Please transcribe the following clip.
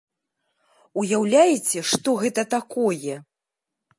Уяўляеце, што гэта такое?